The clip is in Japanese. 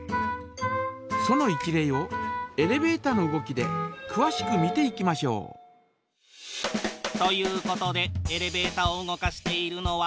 その一例をエレベータの動きでくわしく見ていきましょう。ということでエレベータを動かしているのは。